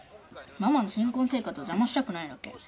ママの新婚生活を邪魔したくないだけ。